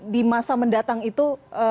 di masa mendatang itu